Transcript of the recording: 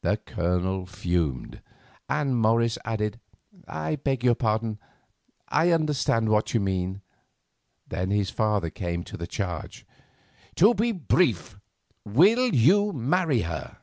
The Colonel fumed, and Morris added, "I beg your pardon, I understand what you mean." Then his father came to the charge. "To be brief, will you marry her?"